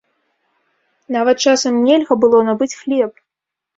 Нават часам нельга было набыць хлеб.